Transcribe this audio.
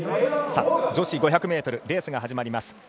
女子５００ｍレースが始まります。